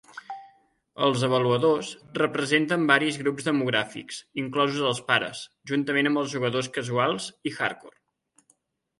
Els avaluadors representen varis grups demogràfics, inclosos els pares, juntament amb els jugadors casuals i "hardcore".